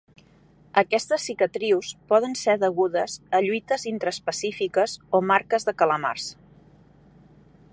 Aquestes cicatrius poden ser degudes a lluites intraespecífiques o marques de calamars.